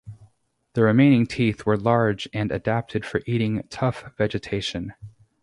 The remaining teeth were large and adapted for eating tough vegetation.